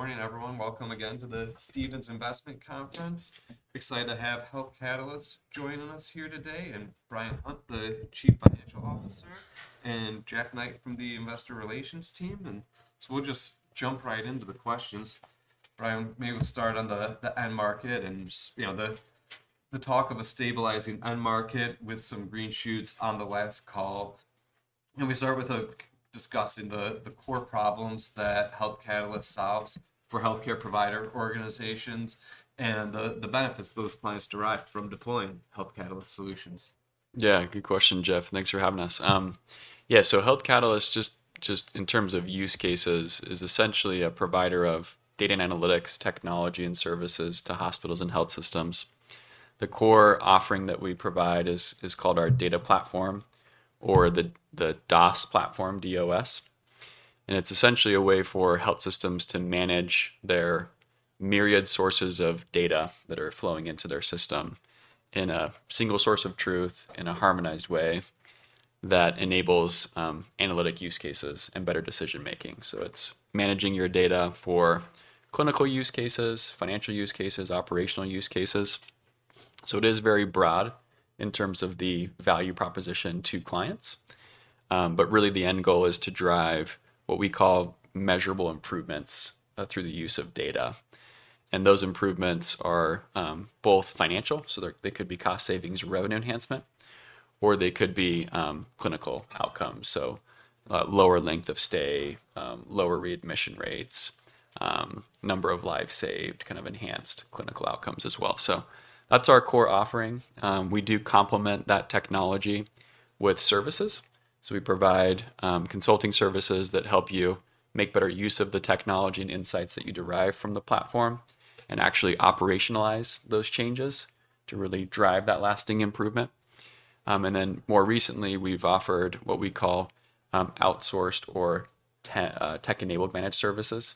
Good morning, everyone. Welcome again to the Stephens Investment Conference. Excited to have Health Catalyst joining us here today, and Bryan Hunt, the Chief Financial Officer, and Jack Knight from the investor relations team. We'll just jump right into the questions. Bryan, maybe we'll start on the, the end market and just, you know, the, the talk of a stabilizing end market with some green shoots on the last call. Can we start with discussing the, the core problems that Health Catalyst solves for healthcare provider organizations, and the, the benefits those clients derive from deploying Health Catalyst solutions? Yeah, good question, Jeff. Thanks for having us. Yeah, so Health Catalyst, just, just in terms of use cases, is essentially a provider of data and analytics technology and services to hospitals and health systems. The core offering that we provide is called our Data Platform or the DOS platform, D-O-S. And it's essentially a way for health systems to manage their myriad sources of data that are flowing into their system in a single source of truth, in a harmonized way that enables analytic use cases and better decision-making. So it's managing your data for clinical use cases, financial use cases, operational use cases. So it is very broad in terms of the value proposition to clients. But really, the end goal is to drive what we call measurable improvements through the use of data. Those improvements are both financial, so they could be cost savings, revenue enhancement, or they could be clinical outcomes, so lower length of stay, lower readmission rates, number of lives saved, kind of enhanced clinical outcomes as well. That's our core offering. We do complement that technology with services. We provide consulting services that help you make better use of the technology and insights that you derive from the platform, and actually operationalize those changes to really drive that lasting improvement. More recently, we've offered what we call outsourced or tech-enabled managed services,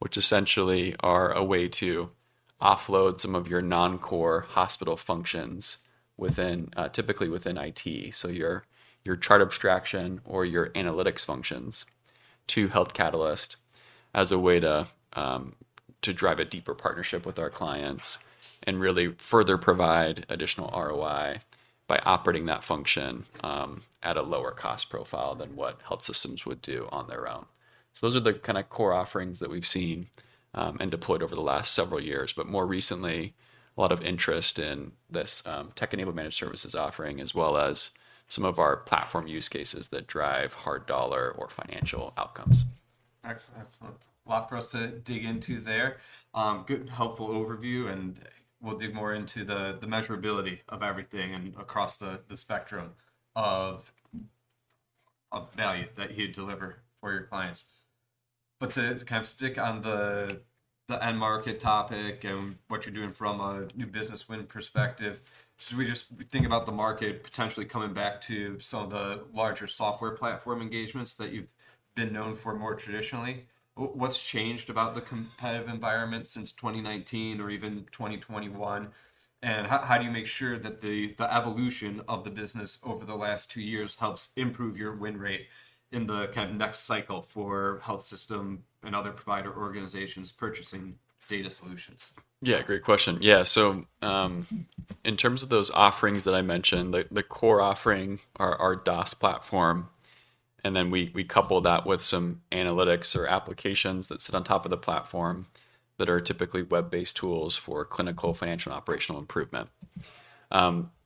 which essentially are a way to offload some of your non-core hospital functions typically within IT, so your chart abstraction or your analytics functions, to Health Catalyst as a way to drive a deeper partnership with our clients and really further provide additional ROI by operating that function at a lower cost profile than what health systems would do on their own. Those are the kind of core offerings that we've seen and deployed over the last several years, but more recently, a lot of interest in this tech-enabled managed services offering, as well as some of our platform use cases that drive hard dollar or financial outcomes. Excellent. Excellent. A lot for us to dig into there. Good and helpful overview, and we'll dig more into the measurability of everything and across the spectrum of value that you deliver for your clients. But to kind of stick on the end market topic and what you're doing from a new business win perspective, should we—we think about the market potentially coming back to some of the larger software platform engagements that you've been known for more traditionally? What's changed about the competitive environment since 2019 or even 2021? And how do you make sure that the evolution of the business over the last two years helps improve your win rate in the kind of next cycle for health system and other provider organizations purchasing data solutions? Yeah, great question. Yeah, so, in terms of those offerings that I mentioned, the core offerings are our DOS platform, and then we couple that with some analytics or applications that sit on top of the platform, that are typically web-based tools for clinical, financial, and operational improvement.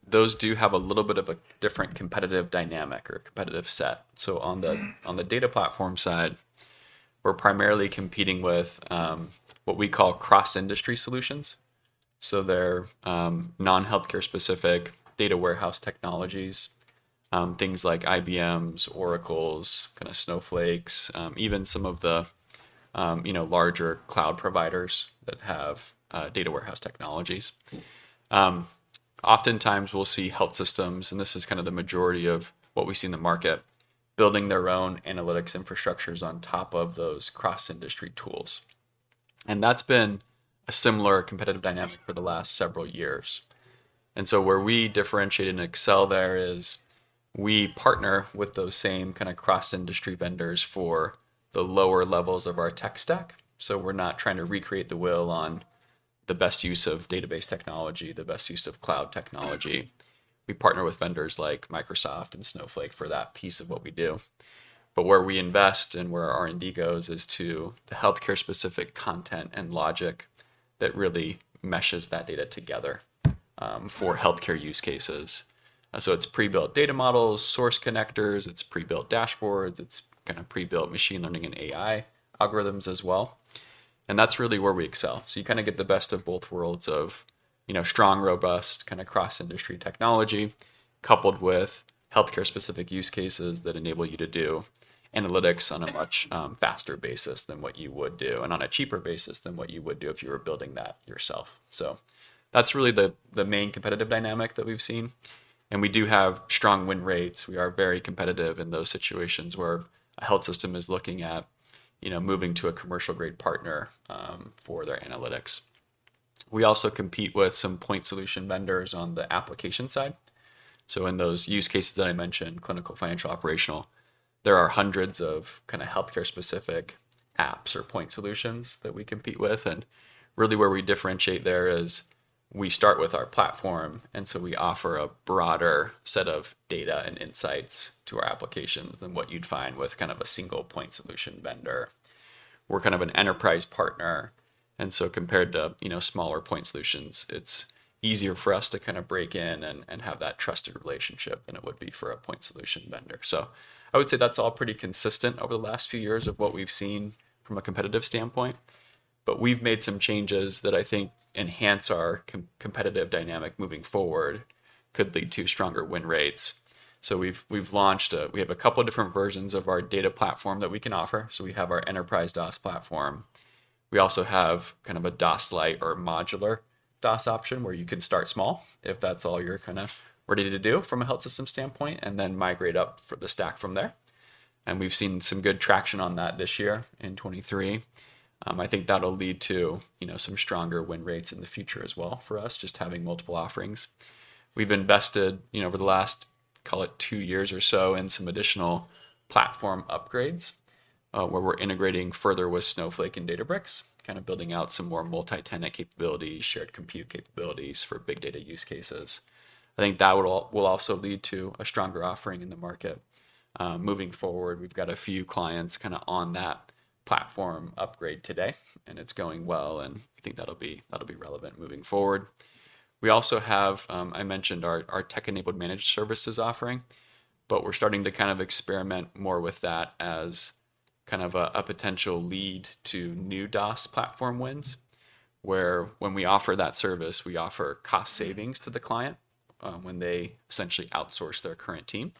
Those do have a little bit of a different competitive dynamic or competitive set. So on the data platform side, we're primarily competing with, what we call cross-industry solutions. So they're, non-healthcare specific data warehouse technologies, things like IBM's, Oracle's, kind of Snowflake's, even some of the, you know, larger cloud providers that have, data warehouse technologies. Oftentimes, we'll see health systems, and this is kind of the majority of what we see in the market, building their own analytics infrastructures on top of those cross-industry tools. And that's been a similar competitive dynamic for the last several years. And so where we differentiate and excel there is, we partner with those same kind of cross-industry vendors for the lower levels of our tech stack. So we're not trying to recreate the wheel on the best use of database technology, the best use of cloud technology. We partner with vendors like Microsoft and Snowflake for that piece of what we do. But where we invest and where our R&D goes is to the healthcare-specific content and logic that really meshes that data together, for healthcare use cases. So it's pre-built data models, source connectors, it's pre-built dashboards, it's kind of pre-built machine learning and AI algorithms as well, and that's really where we excel. So you kind of get the best of both worlds of, you know, strong, robust, kind of cross-industry technology, coupled with healthcare-specific use cases that enable you to do analytics on a much faster basis than what you would do, and on a cheaper basis than what you would do if you were building that yourself. So that's really the main competitive dynamic that we've seen, and we do have strong win rates. We are very competitive in those situations where a health system is looking at, you know, moving to a commercial-grade partner for their analytics. We also compete with some point solution vendors on the application side. So in those use cases that I mentioned, clinical, financial, operational, there are hundreds of kind of healthcare-specific apps or point solutions that we compete with. And really where we differentiate there is we start with our platform, and so we offer a broader set of data and insights to our applications than what you'd find with kind of a single point solution vendor. We're kind of an enterprise partner, and so compared to, you know, smaller point solutions, it's easier for us to kind of break in and have that trusted relationship than it would be for a point solution vendor. So I would say that's all pretty consistent over the last few years of what we've seen from a competitive standpoint, but we've made some changes that I think enhance our competitive dynamic moving forward, could lead to stronger win rates. So we've launched—we have a couple different versions of our data platform that we can offer. So we have our enterprise DOS™ platform. We also have kind of a DOS Lite or modular DOS option, where you could start small if that's all you're kind of ready to do from a health system standpoint, and then migrate up the stack from there. And we've seen some good traction on that this year in 2023. I think that'll lead to, you know, some stronger win rates in the future as well for us, just having multiple offerings. We've invested, you know, over the last, call it, two years or so, in some additional platform upgrades, where we're integrating further with Snowflake and Databricks, kind of building out some more multi-tenant capabilities, shared compute capabilities for big data use cases. I think that would will also lead to a stronger offering in the market, moving forward. We've got a few clients kind of on that platform upgrade today, and it's going well, and I think that'll be, that'll be relevant moving forward. We also have, I mentioned our, our Tech-Enabled Managed Services offering, but we're starting to kind of experiment more with that as kind of a, a potential lead to new DOS platform wins, where when we offer that service, we offer cost savings to the client, when they essentially outsource their current team.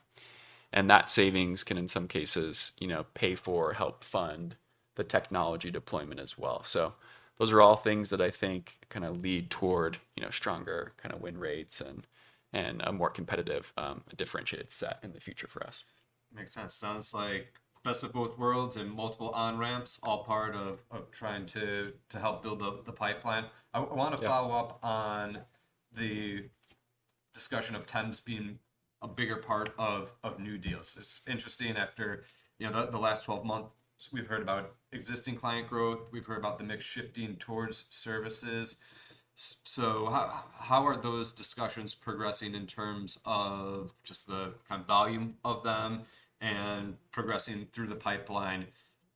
And that savings can, in some cases, you know, pay for or help fund the technology deployment as well. So those are all things that I think kind of lead toward, you know, stronger kind of win rates and, and a more competitive, differentiated set in the future for us. Makes sense. Sounds like best of both worlds and multiple on-ramps, all part of, of trying to, to help build the, the pipeline. Yeah. I want to follow up on the discussion of TEMS being a bigger part of new deals. It's interesting after, you know, the last 12 months, we've heard about existing client growth, we've heard about the mix shifting towards services. So how are those discussions progressing in terms of just the kind of volume of them and progressing through the pipeline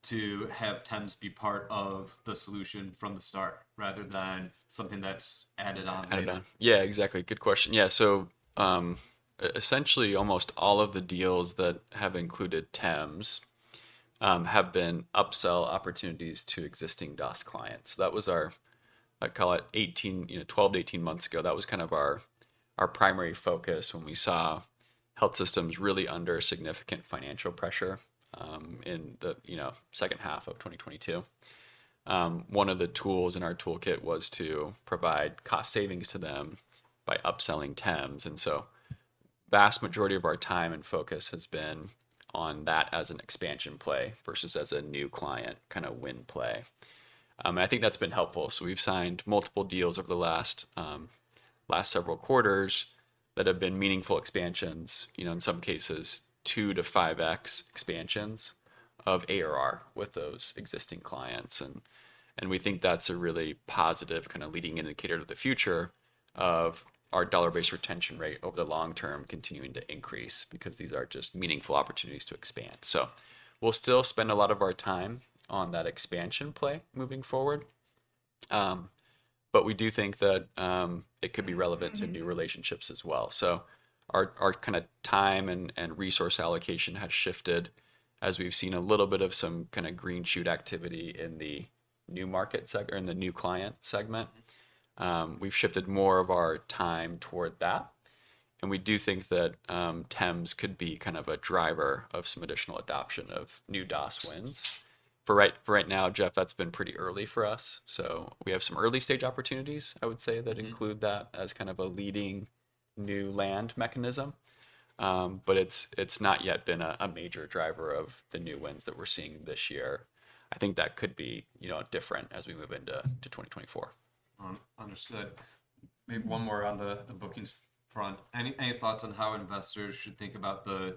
to have TEMS be part of the solution from the start, rather than something that's added on later? Added on. Yeah, exactly. Good question. Yeah, so, essentially, almost all of the deals that have included TEMS have been upsell opportunities to existing DOS clients. That was our, I'd call it, 18, you know, 12-18 months ago, that was kind of our, our primary focus when we saw health systems really under significant financial pressure in the, you know, second half of 2022. One of the tools in our toolkit was to provide cost savings to them by upselling TEMS, and so vast majority of our time and focus has been on that as an expansion play versus as a new client kind of win play. And I think that's been helpful. So we've signed multiple deals over the last several quarters that have been meaningful expansions, you know, in some cases, 2x-5x expansions of ARR with those existing clients. And we think that's a really positive kind of leading indicator to the future of our dollar-based retention rate over the long term continuing to increase, because these are just meaningful opportunities to expand. So we'll still spend a lot of our time on that expansion play moving forward, but we do think that it could be relevant- Mm-hmm... to new relationships as well. So our time and resource allocation has shifted as we've seen a little bit of some kind of green shoot activity in the new market seg- or in the new client segment. Mm-hmm. We've shifted more of our time toward that, and we do think that TEMS could be kind of a driver of some additional adoption of new DOS wins. For right now, Jeff, that's been pretty early for us. So we have some early-stage opportunities, I would say- Mm-hmm... that include that as kind of a leading new land mechanism. But it's not yet been a major driver of the new wins that we're seeing this year. I think that could be, you know, different as we move into 2024. Understood. Maybe one more on the bookings front. Any thoughts on how investors should think about the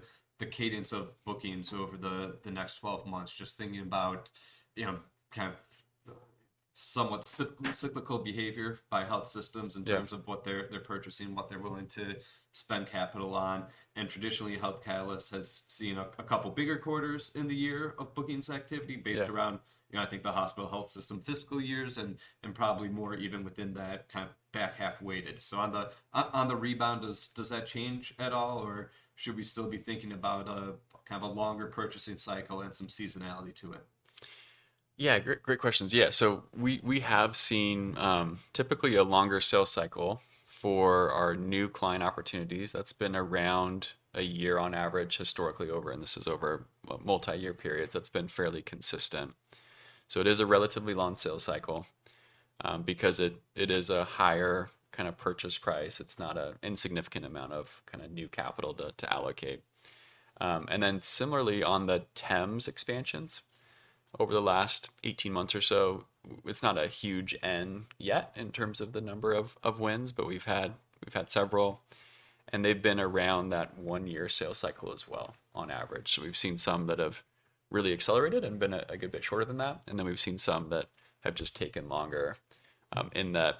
cadence of bookings over the next 12 months? Just thinking about, you know, kind of somewhat cyclical behavior by health systems- Yeah... in terms of what they're, they're purchasing and what they're willing to spend capital on. Traditionally, Health Catalyst has seen a, a couple bigger quarters in the year of bookings activity. Yeah... based around, you know, I think, the hospital health system fiscal years, and probably more even within that kind of back half weighted. So on the rebound, does that change at all, or should we still be thinking about a kind of a longer purchasing cycle and some seasonality to it? Yeah, great, great questions. Yeah, so we have seen typically a longer sales cycle for our new client opportunities. That's been around a year on average, historically, over multi-year periods, that's been fairly consistent. So it is a relatively long sales cycle because it is a higher kind of purchase price. It's not an insignificant amount of kind of new capital to allocate. And then similarly, on the TEMS expansions, over the last 18 months or so, it's not a huge win yet in terms of the number of wins, but we've had several, and they've been around that one year sales cycle as well on average. So we've seen some that have really accelerated and been a good bit shorter than that, and then we've seen some that have just taken longer, in that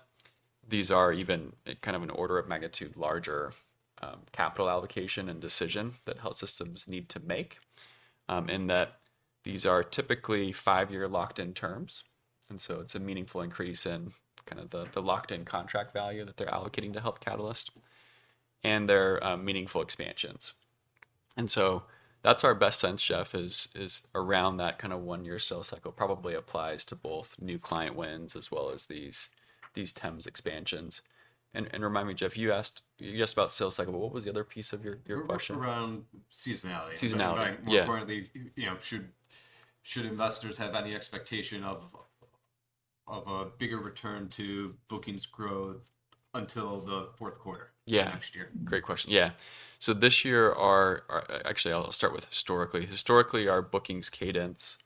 these are even kind of an order of magnitude larger, capital allocation and decision that health systems need to make, in that these are typically five-year locked-in terms, and so it's a meaningful increase in kind of the locked-in contract value that they're allocating to Health Catalyst, and they're meaningful expansions. And so that's our best sense, Jeff, is around that kind of one-year sales cycle. Probably applies to both new client wins as well as these TEMS expansions. And remind me, Jeff, you asked about sales cycle, but what was the other piece of your question? Around seasonality. Seasonality. Yeah. More importantly, you know, should investors have any expectation of a bigger return to bookings growth until the fourth quarter? Yeah... of next year? Great question. Yeah. So this year, our actually, I'll start with historically. Historically, our bookings cadence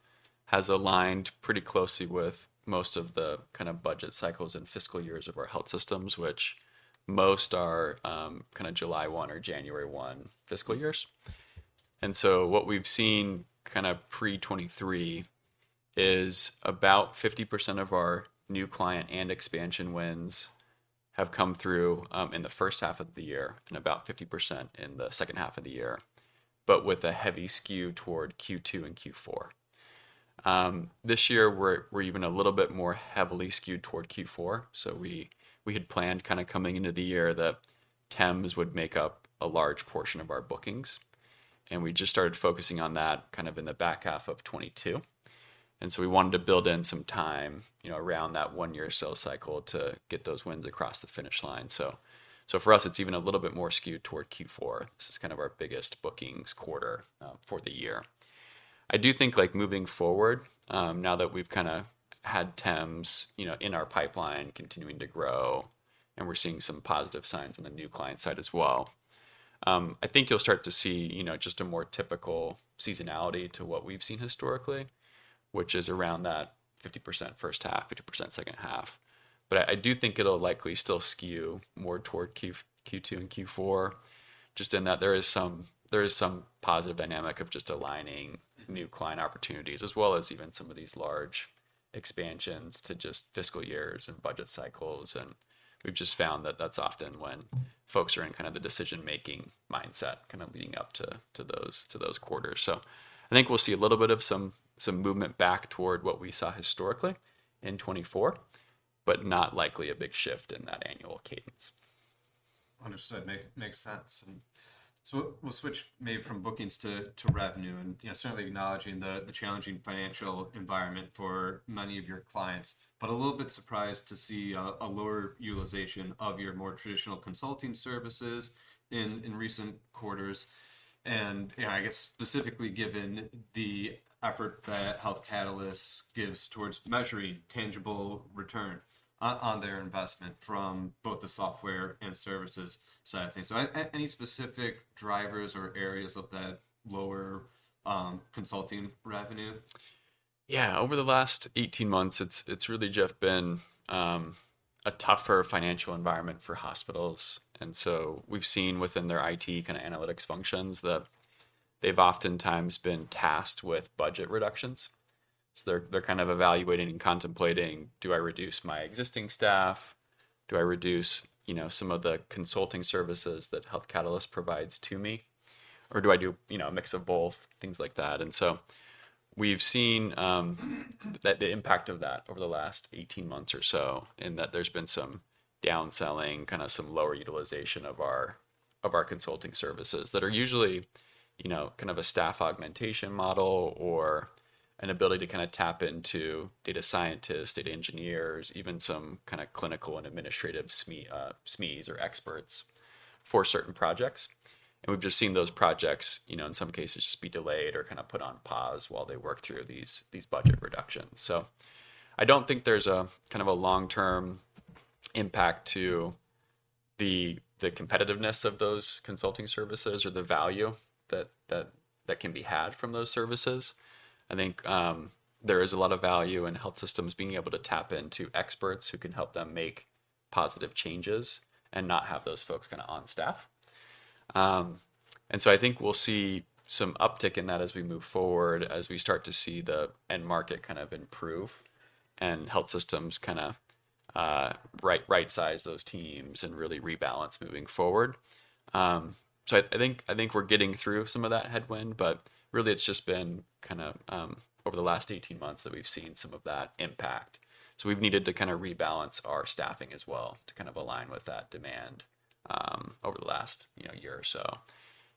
has aligned pretty closely with most of the kind of budget cycles and fiscal years of our health systems, which most are kind of July 1 or January 1 fiscal years. And so what we've seen kind of pre-2023 is about 50% of our new client and expansion wins have come through in the first half of the year, and about 50% in the second half of the year, but with a heavy skew toward Q2 and Q4. This year, we're even a little bit more heavily skewed toward Q4, so we had planned kind of coming into the year that TEMS would make up a large portion of our bookings, and we just started focusing on that kind of in the back half of 2022, and so we wanted to build in some time, you know, around that one-year sales cycle to get those wins across the finish line. So for us, it's even a little bit more skewed toward Q4. This is kind of our biggest bookings quarter for the year. I do think, like, moving forward, now that we've kind of had TEMS, you know, in our pipeline continuing to grow, and we're seeing some positive signs on the new client side as well, I think you'll start to see, you know, just a more typical seasonality to what we've seen historically, which is around that 50% first half, 50% second half. But I, I do think it'll likely still skew more toward Q- Q2 and Q4, just in that there is some, there is some positive dynamic of just aligning new client opportunities, as well as even some of these large expansions to just fiscal years and budget cycles, and we've just found that that's often when folks are in kind of the decision-making mindset, kind of leading up to, to those, to those quarters. So I think we'll see a little bit of some movement back toward what we saw historically in 2024, but not likely a big shift in that annual cadence. Understood. Makes sense. So we'll switch maybe from bookings to revenue, and, you know, certainly acknowledging the challenging financial environment for many of your clients, but a little bit surprised to see a lower utilization of your more traditional consulting services in recent quarters. And, you know, I guess specifically given the effort that Health Catalyst gives towards measuring tangible return on their investment from both the software and services side of things. So any specific drivers or areas of that lower consulting revenue? Yeah. Over the last 18 months, it's really just been a tougher financial environment for hospitals, and so we've seen within their IT kind of analytics functions that they've oftentimes been tasked with budget reductions. So they're kind of evaluating and contemplating, "Do I reduce my existing staff? Do I reduce, you know, some of the consulting services that Health Catalyst provides to me, or do I do, you know, a mix of both?" Things like that. And so we've seen the impact of that over the last 18 months or so, in that there's been some downselling, kind of some lower utilization of our consulting services that are usually, you know, kind of a staff augmentation model, or an ability to kind of tap into data scientists, data engineers, even some kind of clinical and administrative SME, SMEs, or experts, for certain projects. And we've just seen those projects, you know, in some cases, just be delayed or kind of put on pause while they work through these budget reductions. So I don't think there's a kind of a long-term impact to the competitiveness of those consulting services or the value that can be had from those services. I think there is a lot of value in health systems being able to tap into experts who can help them make positive changes and not have those folks kind of on staff. And so I think we'll see some uptick in that as we move forward, as we start to see the end market kind of improve, and health systems kind of rightsize those teams and really rebalance moving forward. So I think we're getting through some of that headwind, but really, it's just been kind of over the last 18 months that we've seen some of that impact. So we've needed to kind of rebalance our staffing as well to kind of align with that demand over the last, you know, year or so,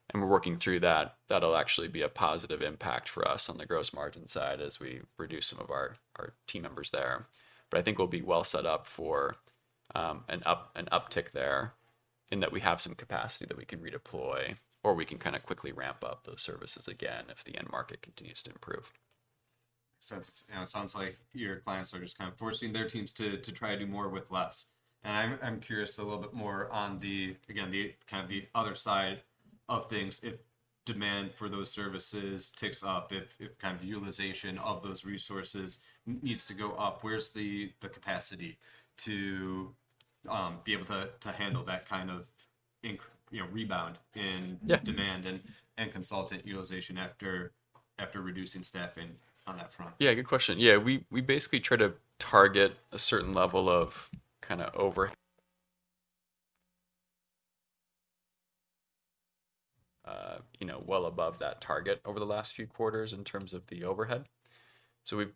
and we're working through that. That'll actually be a positive impact for us on the gross margin side as we reduce some of our team members there. But I think we'll be well set up for an uptick there, in that we have some capacity that we can redeploy, or we can kind of quickly ramp up those services again if the end market continues to improve. You know, sounds like your clients are just kind of forcing their teams to try to do more with less. And I'm curious a little bit more on the... again, the kind of the other side of things, if demand for those services ticks up, if kind of utilization of those resources needs to go up, where's the capacity to be able to handle that kind of, you know, rebound in- Yeah. -demand and consultant utilization after reducing staffing on that front? Yeah, good question. Yeah, we basically try to target a certain level of kinda over, you know, well above that target over the last few quarters in terms of the overhead. So we've-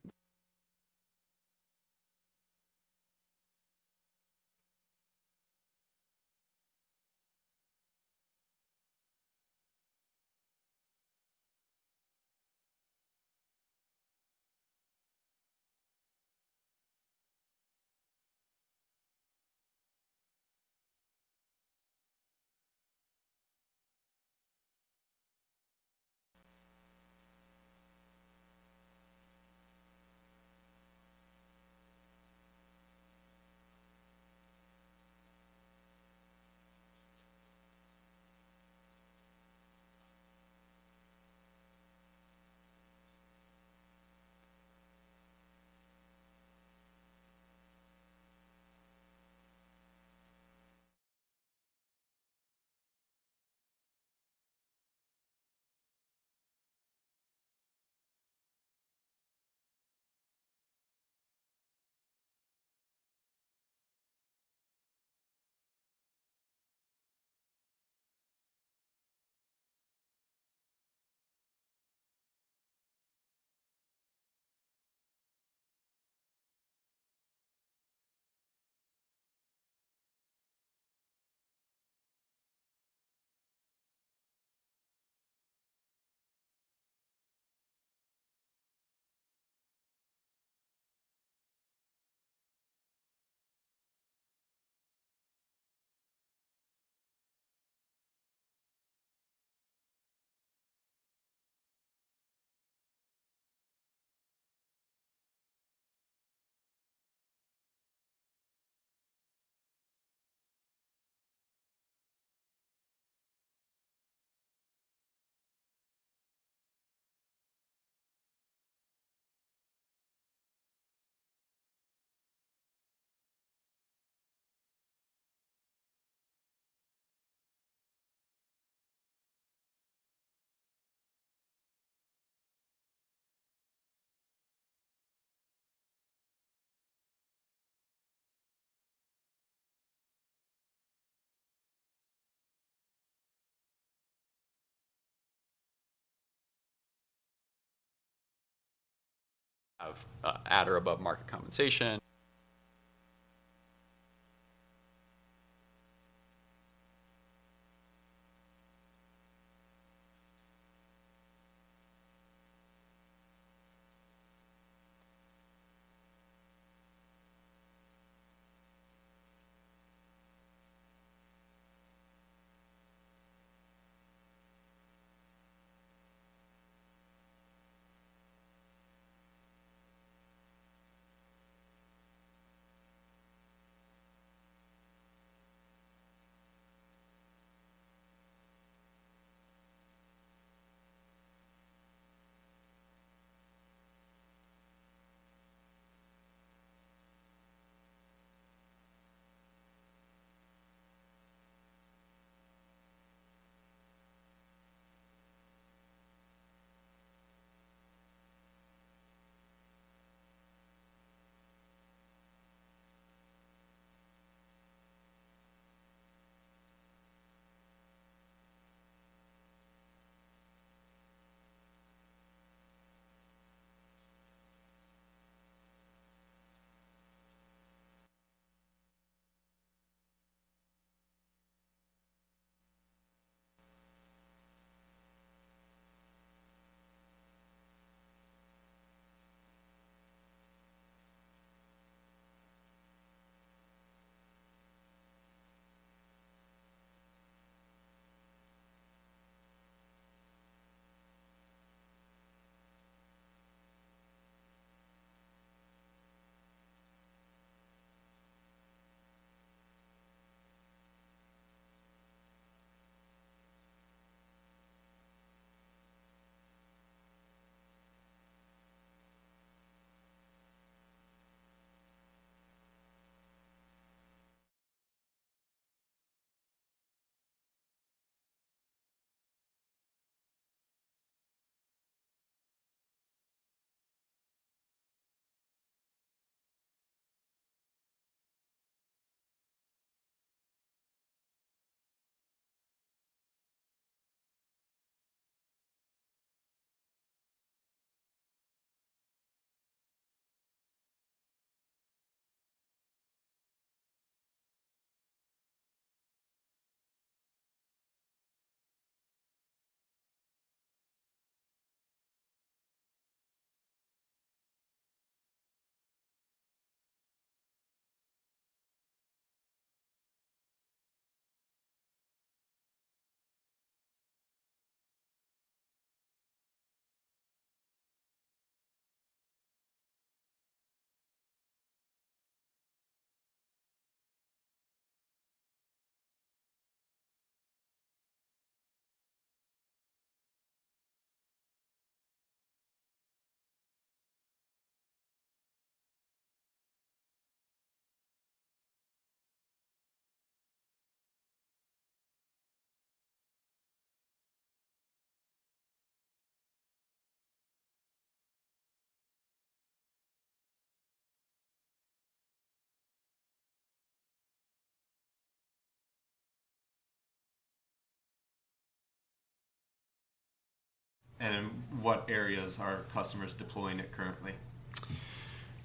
And in what areas are customers deploying it currently?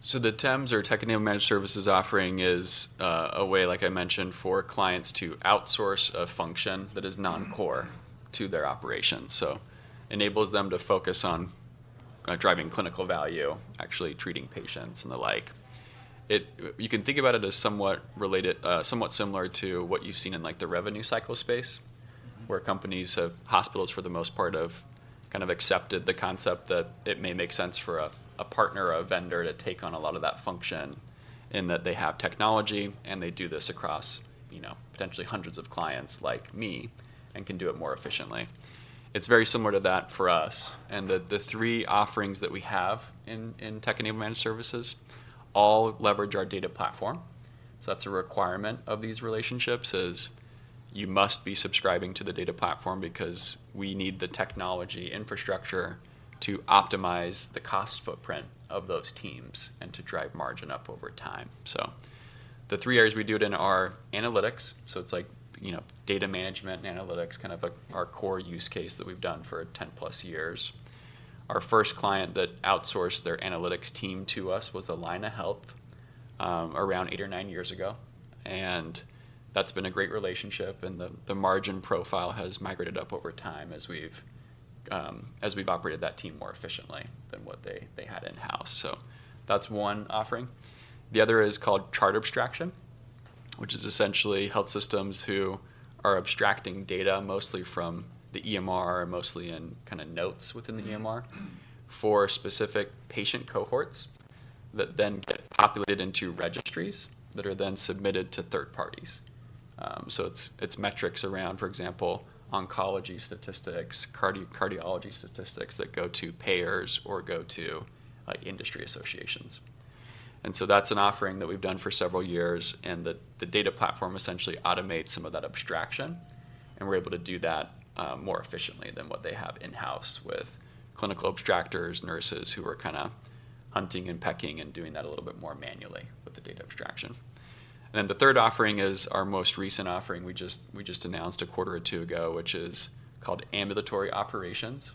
So the TEMS, or Tech-Enabled Managed Services offering, is a way, like I mentioned, for clients to outsource a function that is non-core to their operations. So enables them to focus on driving clinical value, actually treating patients, and the like. You can think about it as somewhat related, somewhat similar to what you've seen in, like, the revenue cycle space, where hospitals, for the most part, have kind of accepted the concept that it may make sense for a partner or a vendor to take on a lot of that function, in that they have technology, and they do this across, you know, potentially hundreds of clients like me, and can do it more efficiently. It's very similar to that for us. And the three offerings that we have in Tech-Enabled Managed Services all leverage our data platform. So that's a requirement of these relationships: you must be subscribing to the data platform because we need the technology infrastructure to optimize the cost footprint of those teams and to drive margin up over time. So the three areas we do it in are analytics, so it's like, you know, data management and analytics, kind of like our core use case that we've done for 10+ years. Our first client that outsourced their analytics team to us was Allina Health, around eight or nine years ago, and that's been a great relationship, and the margin profile has migrated up over time as we've operated that team more efficiently than what they had in-house. So that's one offering. The other is called chart abstraction, which is essentially health systems who are abstracting data, mostly from the EMR, mostly in kind of notes within the EMR, for specific patient cohorts, that then get populated into registries, that are then submitted to third parties. So it's metrics around, for example, oncology statistics, cardiology statistics that go to payers or go to, like, industry associations. And so that's an offering that we've done for several years, and the data platform essentially automates some of that abstraction, and we're able to do that more efficiently than what they have in-house with clinical abstractors, nurses who are kind of hunting and pecking and doing that a little bit more manually with the data abstraction. And then the third offering is our most recent offering. We just announced a quarter or two ago, which is called Ambulatory Operations,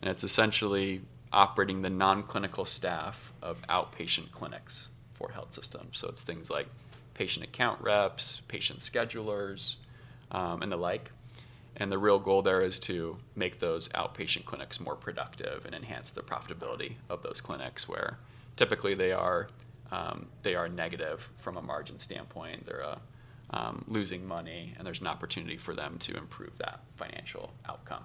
and it's essentially operating the non-clinical staff of outpatient clinics for health systems. So it's things like patient account reps, patient schedulers, and the like. And the real goal there is to make those outpatient clinics more productive and enhance the profitability of those clinics, where typically they are negative from a margin standpoint. They're losing money, and there's an opportunity for them to improve that financial outcome.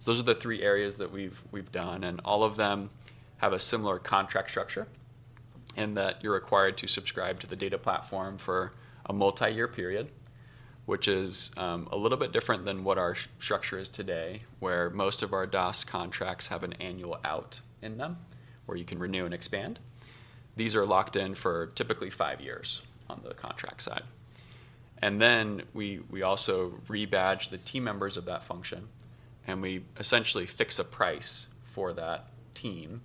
So those are the three areas that we've done, and all of them have a similar contract structure, in that you're required to subscribe to the data platform for a multi-year period, which is a little bit different than what our structure is today, where most of our DOS™ contracts have an annual out in them, where you can renew and expand. These are locked in for typically five years on the contract side. And then we also rebadge the team members of that function, and we essentially fix a price for that team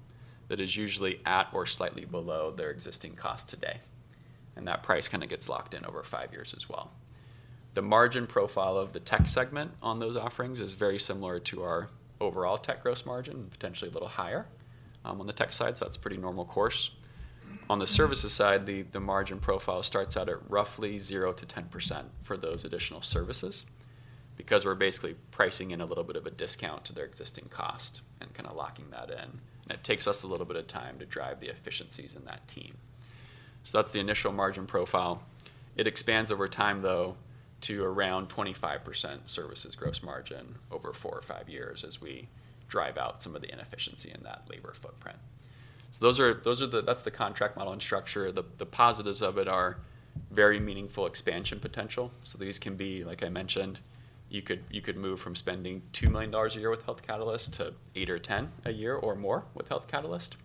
that is usually at or slightly below their existing cost today, and that price kind of gets locked in over five years as well. The margin profile of the tech segment on those offerings is very similar to our overall tech gross margin, and potentially a little higher, on the tech side, so that's pretty normal course. On the services side, the margin profile starts out at roughly 0%-10% for those additional services because we're basically pricing in a little bit of a discount to their existing cost and kind of locking that in. It takes us a little bit of time to drive the efficiencies in that team. So that's the initial margin profile. It expands over time, though, to around 25% services gross margin over four or five years as we drive out some of the inefficiency in that labor footprint. So that's the contract model and structure. The positives of it are very meaningful expansion potential. So these can be, like I mentioned, you could, you could move from spending $2 million a year with Health Catalyst to $8 million or $10 million a year or more with Health Catalyst.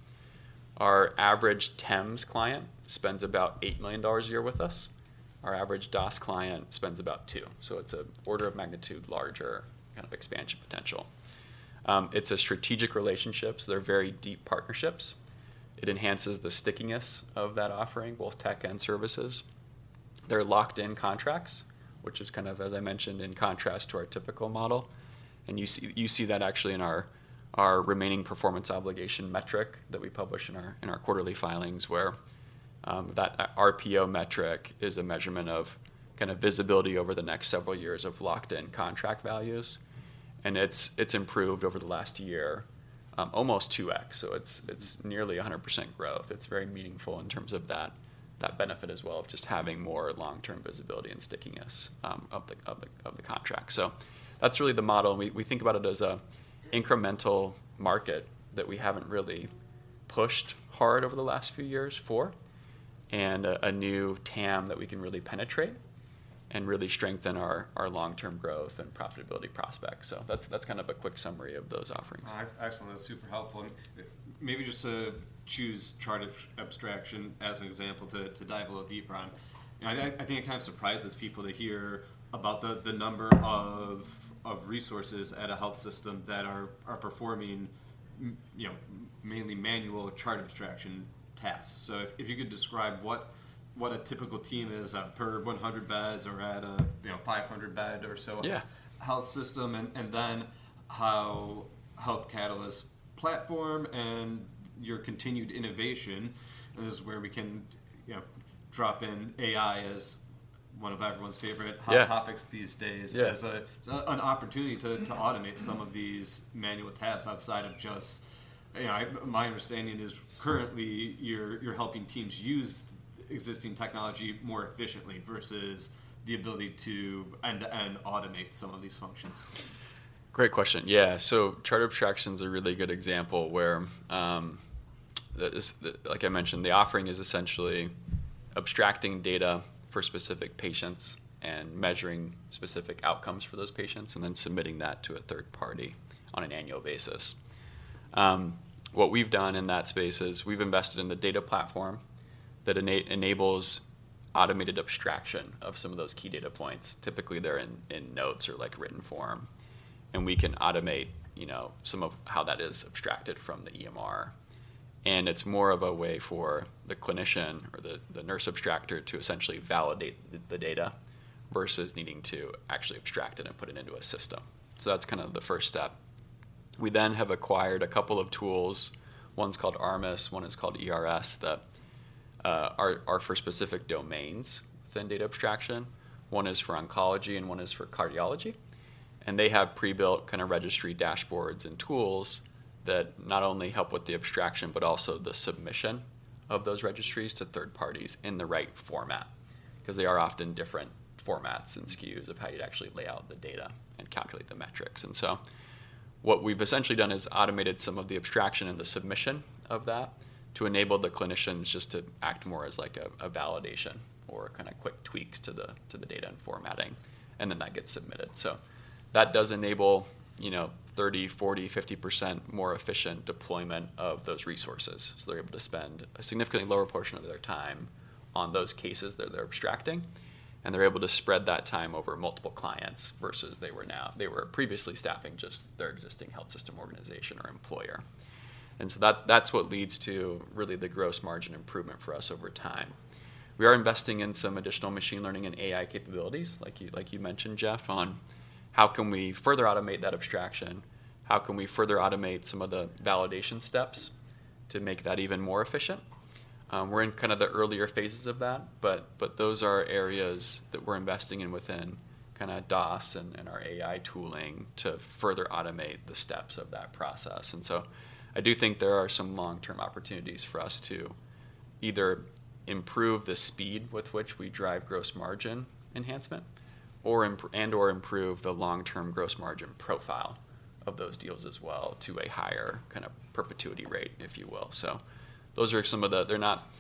Our average TEMS client spends about $8 million a year with us. Our average DOS client spends about $2 million, so it's an order of magnitude larger kind of expansion potential. It's a strategic relationship, so they're very deep partnerships. It enhances the stickiness of that offering, both tech and services. They're locked-in contracts, which is kind of, as I mentioned, in contrast to our typical model. And you see, you see that actually in our, our remaining performance obligation metric that we publish in our, in our quarterly filings, where that RPO metric is a measurement of kind of visibility over the next several years of locked-in contract values. And it's improved over the last year, almost 2x, so it's nearly 100% growth. It's very meaningful in terms of that benefit as well, of just having more long-term visibility and stickiness of the contract. So that's really the model, and we think about it as an incremental market that we haven't really pushed hard over the last few years for, and a new TAM that we can really penetrate and really strengthen our long-term growth and profitability prospects. So that's kind of a quick summary of those offerings. Excellent. That's super helpful. And maybe just to choose chart abstraction as an example to dive a little deeper on. You know, I think it kind of surprises people to hear about the number of resources at a health system that are performing you know, mainly manual chart abstraction tasks. So if you could describe what a typical team is at per 100 beds or at a you know, 500-bed or so- Yeah... health system, and, and then how Health Catalyst's platform and your continued innovation, this is where we can, you know, drop in AI as one of everyone's favorite- Yeah... hot topics these days- Yes... as an opportunity to- Yeah... to automate some of these manual tasks outside of just... You know, I, my understanding is currently, you're, you're helping teams use existing technology more efficiently versus the ability to, and, and automate some of these functions. Great question. Yeah, so Chart Abstraction's a really good example where, like I mentioned, the offering is essentially abstracting data for specific patients and measuring specific outcomes for those patients, and then submitting that to a third party on an annual basis. What we've done in that space is, we've invested in the data platform that enables automated abstraction of some of those key data points. Typically, they're in notes or like written form, and we can automate, you know, some of how that is abstracted from the EMR. And it's more of a way for the clinician or the nurse abstractor to essentially validate the data versus needing to actually abstract it and put it into a system. So that's kind of the first step. We then have acquired a couple of tools. One's called ARMUS, one is called ERS, that are for specific domains within data abstraction. One is for oncology, and one is for cardiology, and they have pre-built kinda registry dashboards and tools that not only help with the abstraction, but also the submission of those registries to third parties in the right format, 'cause they are often different formats and SKUs of how you'd actually lay out the data and calculate the metrics. And so, what we've essentially done is automated some of the abstraction and the submission of that to enable the clinicians just to act more as like a validation or kinda quick tweaks to the data and formatting, and then that gets submitted. So, that does enable, you know, 30%, 40%, 50% more efficient deployment of those resources. So they're able to spend a significantly lower portion of their time on those cases that they're abstracting, and they're able to spread that time over multiple clients, versus they were previously staffing just their existing health system, organization, or employer. And so that, that's what leads to really the gross margin improvement for us over time. We are investing in some additional machine learning and AI capabilities, like you, like you mentioned, Jeff, on how can we further automate that abstraction? How can we further automate some of the validation steps to make that even more efficient? We're in kind of the earlier phases of that, but, but those are areas that we're investing in within kinda DOS™ and, and our AI tooling to further automate the steps of that process. And so I do think there are some long-term opportunities for us to either improve the speed with which we drive gross margin enhancement, or and/or improve the long-term gross margin profile of those deals as well, to a higher kind of perpetuity rate, if you will. So, those are some of the... They're not,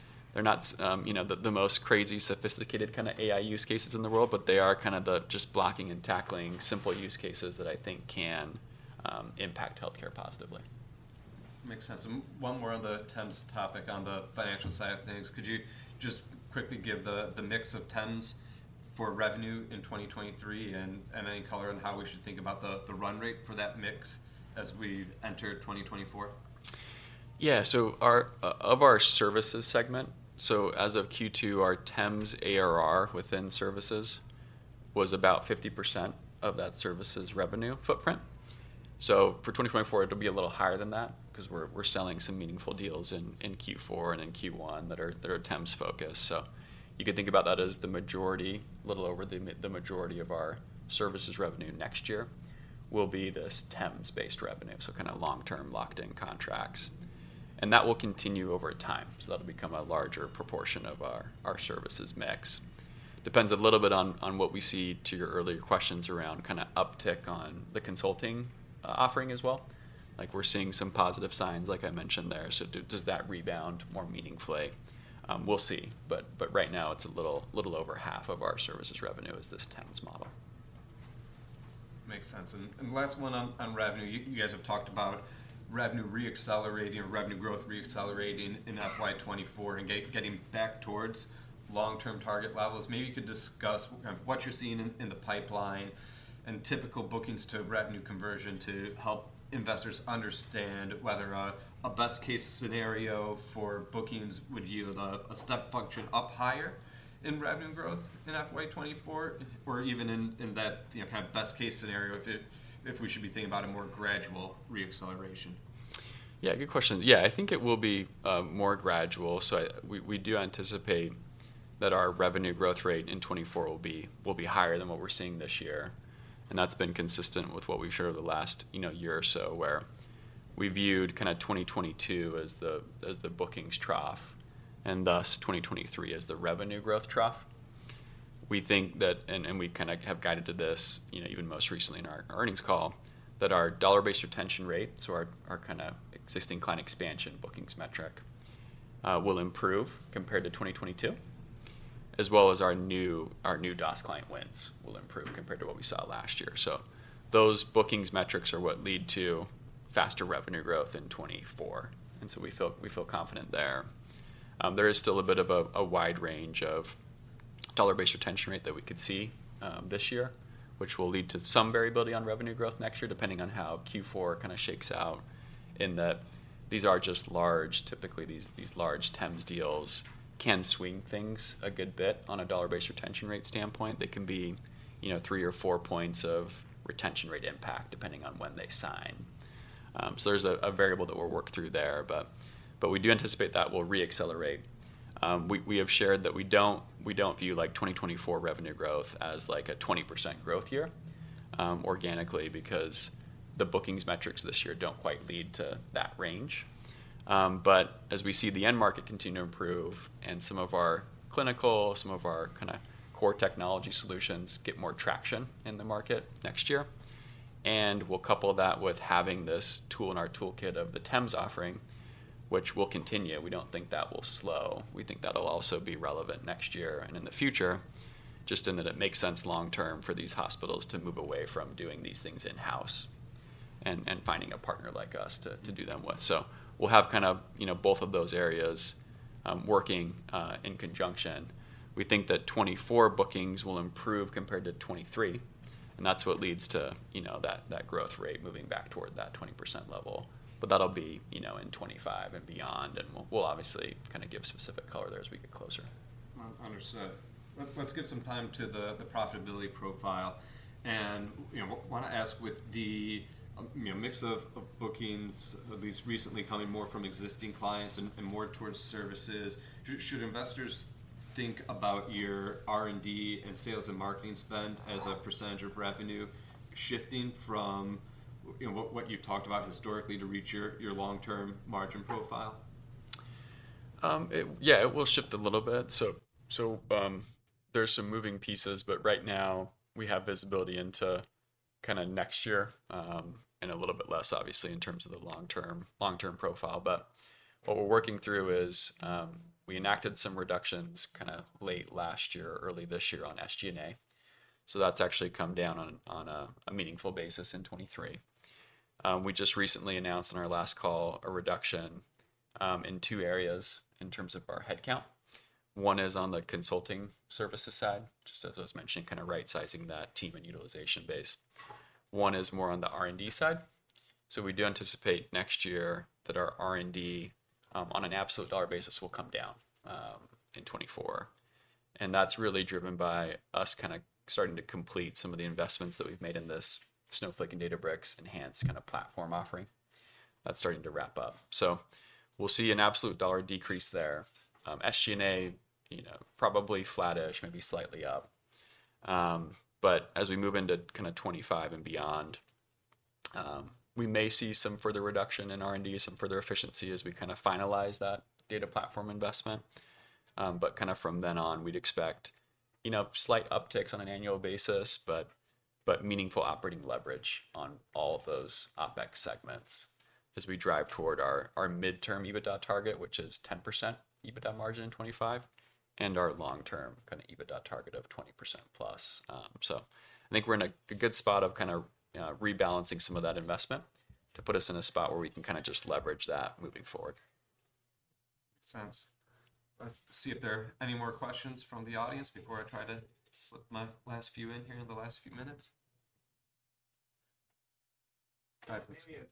you know, the most crazy, sophisticated kinda AI use cases in the world, but they are kinda the just blocking and tackling, simple use cases that I think can impact healthcare positively. Makes sense. And one more on the TEMS topic, on the financial side of things. Could you just quickly give the mix of TEMS for revenue in 2023, and any color on how we should think about the run rate for that mix as we enter 2024? Yeah. So our services segment, so as of Q2, our TEMS ARR within services was about 50% of that services revenue footprint. So for 2024, it'll be a little higher than that, 'cause we're selling some meaningful deals in Q4 and in Q1 that are TEMS-focused. So you could think about that as the majority, a little over the majority of our services revenue next year, will be this TEMS-based revenue, so kinda long-term, locked-in contracts. And that will continue over time, so that'll become a larger proportion of our services mix. Depends a little bit on what we see, to your earlier questions, around kinda uptick on the consulting offering as well. Like, we're seeing some positive signs, like I mentioned there. So does that rebound more meaningfully? We'll see. But right now, it's a little over half of our services revenue is this TEMS model. Makes sense. And last one on revenue. You guys have talked about revenue re-accelerating, or revenue growth re-accelerating in FY 2024, and getting back towards long-term target levels. Maybe you could discuss kind of what you're seeing in the pipeline and typical bookings to revenue conversion, to help investors understand whether a best-case scenario for bookings would yield a step function up higher in revenue growth in FY 2024, or even in that, you know, kind of best-case scenario, if we should be thinking about a more gradual re-acceleration? Yeah, good question. Yeah, I think it will be more gradual. We do anticipate that our revenue growth rate in 2024 will be, will be higher than what we're seeing this year, and that's been consistent with what we've shared over the last, you know, year or so, where we viewed kinda 2022 as the bookings trough, and thus 2023 as the revenue growth trough. We think that, and we kind of have guided to this, you know, even most recently in our earnings call, that our dollar-based retention rates, so our existing client expansion bookings metric, will improve compared to 2022, as well as our new DOS client wins will improve compared to what we saw last year. So those bookings metrics are what lead to faster revenue growth in 2024, and so we feel confident there. There is still a bit of a wide range of dollar-based retention rate that we could see this year, which will lead to some variability on revenue growth next year, depending on how Q4 kind of shakes out, in that these are just large, typically these large TEMS deals can swing things a good bit on a dollar-based retention rate standpoint. They can be, you know, three or four points of retention rate impact, depending on when they sign. So there's a variable that we'll work through there, but we do anticipate that will re-accelerate. We have shared that we don't view, like, 2024 revenue growth as, like, a 20% growth year, organically, because the bookings metrics this year don't quite lead to that range. But as we see the end market continue to improve and some of our clinical, some of our kind of core technology solutions get more traction in the market next year, and we'll couple that with having this tool in our toolkit of the TEMS offering, which will continue. We don't think that will slow. We think that'll also be relevant next year and in the future, just in that it makes sense long term for these hospitals to move away from doing these things in-house and finding a partner like us to do them with. So we'll have kind of, you know, both of those areas, working, in conjunction. We think that 2024 bookings will improve compared to 2023, and that's what leads to, you know, that, that growth rate moving back toward that 20% level. But that'll be, you know, in 2025 and beyond, and we'll, we'll obviously kind of give specific color there as we get closer. Well, understood. Let's, let's give some time to the profitability profile. And, you know, wanna ask, with the, you know, mix of bookings, at least recently, coming more from existing clients and more towards services, should, should investors think about your R&D and sales and marketing spend as a percentage of revenue shifting from, you know, what you've talked about historically to reach your long-term margin profile? Yeah, it will shift a little bit. So, there's some moving pieces, but right now, we have visibility into kinda next year, and a little bit less, obviously, in terms of the long-term, long-term profile. But what we're working through is, we enacted some reductions kinda late last year or early this year on SG&A, so that's actually come down on a meaningful basis in 2023. We just recently announced on our last call a reduction in two areas in terms of our headcount. One is on the consulting services side, just as I was mentioning, kind of right-sizing that team and utilization base. One is more on the R&D side. So we do anticipate next year that our R&D, on an absolute dollar basis, will come down in 2024, and that's really driven by us kind of starting to complete some of the investments that we've made in this Snowflake and Databricks enhanced kind of platform offering. That's starting to wrap up. So we'll see an absolute dollar decrease there. SG&A, you know, probably flat-ish, maybe slightly up. But as we move into kind of 2025 and beyond, we may see some further reduction in R&D, some further efficiency, as we kind of finalize that data platform investment. But kind of from then on, we'd expect, you know, slight upticks on an annual basis, but meaningful operating leverage on all of those OpEx segments as we drive toward our midterm EBITDA target, which is 10% EBITDA margin in 2025, and our long-term kind of EBITDA target of 20%+. So I think we're in a good spot of kind of rebalancing some of that investment to put us in a spot where we can kind of just leverage that moving forward. So. Let's see if there are any more questions from the audience before I try to slip my last few in here in the last few minutes. Guys, please. Maybe a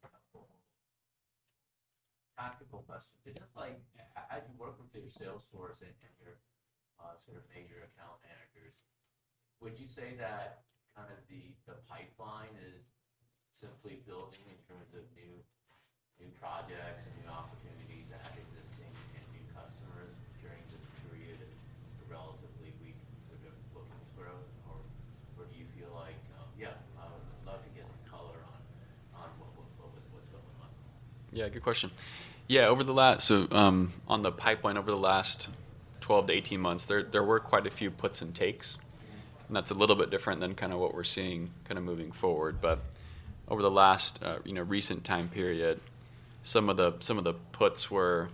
tactical question. Just like, as you work with your sales force and your sort of payer account managers, would you say that kind of the pipeline is simply building in terms of new projects and new opportunities to add existing and new customers during this period of relatively weak sort of bookings growth? Or do you feel like... Yeah, I would [inaudible] Yeah, good question. Yeah, over the last, so, on the pipeline over the last 12-18 months, there were quite a few puts and takes, and that's a little bit different than kind of what we're seeing kind of moving forward. But over the last, you know, recent time period, some of the puts were,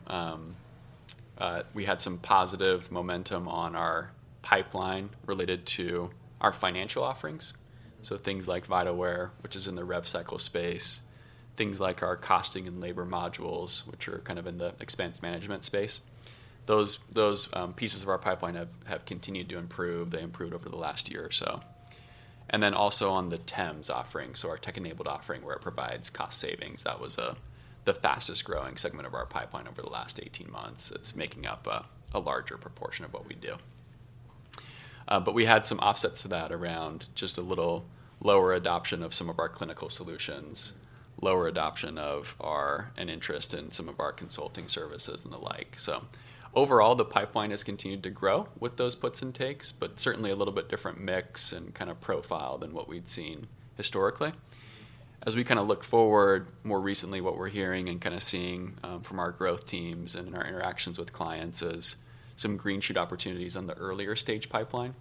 we had some positive momentum on our pipeline related to our financial offerings, so things like Vitalware, which is in the rev cycle space, things like our costing and labor modules, which are kind of in the expense management space. Those pieces of our pipeline have continued to improve. They improved over the last year or so. And then also on the TEMS offering, so our tech-enabled offering, where it provides cost savings, that was the fastest-growing segment of our pipeline over the last 18 months. It's making up a larger proportion of what we do. But we had some offsets to that around just a little lower adoption of some of our clinical solutions, lower adoption of our and interest in some of our consulting services and the like. So overall, the pipeline has continued to grow with those puts and takes, but certainly a little bit different mix and kind of profile than what we'd seen historically. As we kind of look forward, more recently, what we're hearing and kind of seeing from our growth teams and in our interactions with clients is some green shoot opportunities on the earlier stage pipeline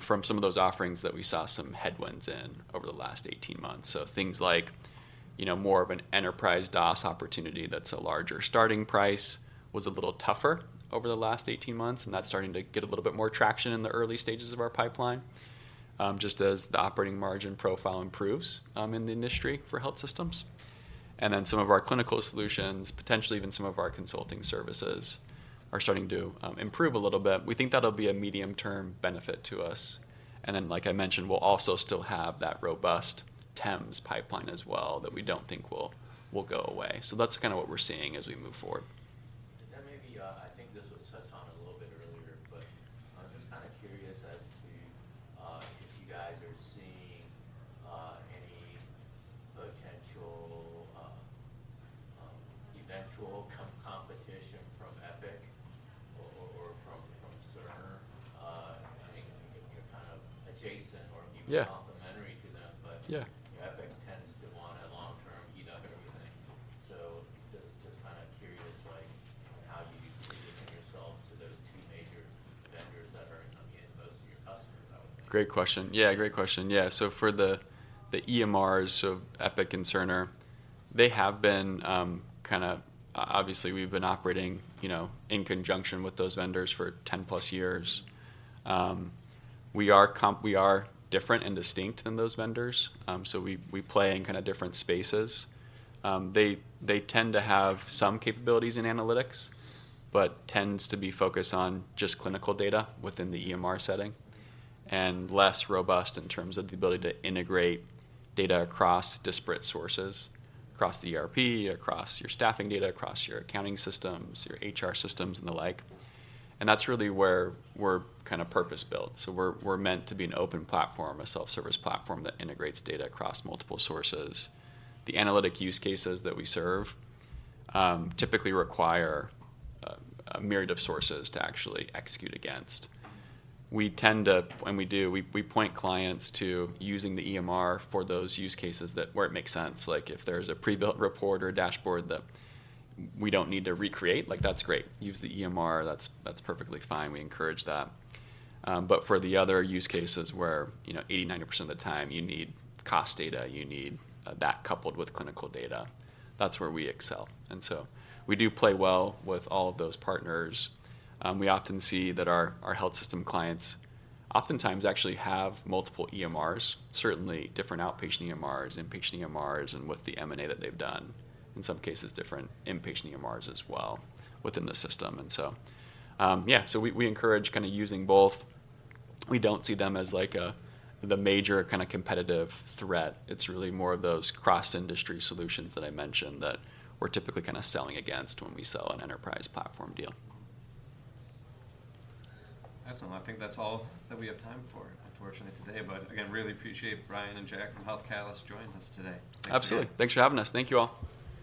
from some of those offerings that we saw some headwinds in over the last 18 months. So things like, you know, more of an enterprise DOS opportunity that's a larger starting price, was a little tougher over the last 18 months, and that's starting to get a little bit more traction in the early stages of our pipeline just as the operating margin profile improves in the industry for health systems. And then some of our clinical solutions, potentially even some of our consulting services, are starting to improve a little bit. We think that'll be a medium-term benefit to us. Then, like I mentioned, we'll also still have that robust TEMS pipeline as well, that we don't think will go away. So that's kind of what we're seeing as we move forward. And then maybe, I think this was touched on a little bit earlier, but I'm just kind of curious as to if you guys are seeing any potential eventual competition from Epic or from Cerner. I think you're kind of adjacent or- Yeah [inaudible] Yeah. [inaudible] So just, just kind of curious, like, how do you position yourselves [inaudible] Great question. Yeah, great question. Yeah, so for the EMRs, so Epic and Cerner, they have been kind of... Obviously, we've been operating, you know, in conjunction with those vendors for 10+ years. We are different and distinct than those vendors, so we play in kind of different spaces. They tend to have some capabilities in analytics, but tends to be focused on just clinical data within the EMR setting, and less robust in terms of the ability to integrate data across disparate sources, across the ERP, across your staffing data, across your accounting systems, your HR systems, and the like. And that's really where we're kind of purpose-built. So we're meant to be an open platform, a self-service platform that integrates data across multiple sources. The analytic use cases that we serve typically require a myriad of sources to actually execute against. We tend to, when we do, point clients to using the EMR for those use cases where it makes sense. Like, if there's a pre-built report or a dashboard that we don't need to recreate, like, that's great. Use the EMR. That's perfectly fine. We encourage that. But for the other use cases where, you know, 80%-90% of the time you need cost data, you need that coupled with clinical data, that's where we excel. And so we do play well with all of those partners. We often see that our health system clients oftentimes actually have multiple EMRs, certainly different outpatient EMRs, inpatient EMRs, and with the M&A that they've done, in some cases, different inpatient EMRs as well within the system. And so, yeah, so we encourage kind of using both. We don't see them as, like, the major kind of competitive threat. It's really more of those cross-industry solutions that I mentioned that we're typically kind of selling against when we sell an enterprise platform deal. Awesome. I think that's all that we have time for, unfortunately, today. But again, really appreciate Bryan and Jack from Health Catalyst joining us today. Absolutely. Thanks for having us. Thank you, all.